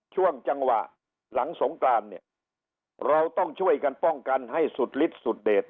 ช่วงจังหวะหลังสงกรานเนี่ยเราต้องช่วยกันป้องกันให้สุดฤทธิสุดเดช